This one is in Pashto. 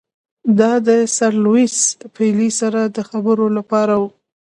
دا د سر لیویس پیلي سره د خبرو لپاره وو.